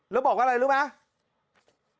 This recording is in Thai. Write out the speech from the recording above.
แล้วบอกว่าอะไรรู้ไหม